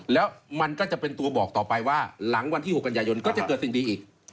แล้วมันก็จะเป็นตัวบอกต่อไปว่าหลังวันที่๖กันยายนก็จะเกิดสิ่งดีอีก